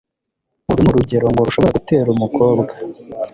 Uru ni urugero ngo rushobora gutera umukobwa